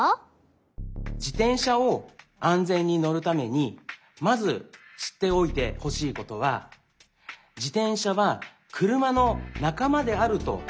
自転車を安全にのるためにまずしっておいてほしいことは自転車はくるまのなかまであるということです。